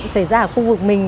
xảy ra ở khu vực mình